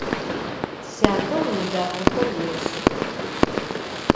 Syate vune daxexer yêş'ıx.